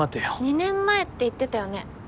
２年前って言ってたよね？